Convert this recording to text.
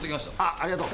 ありがとう。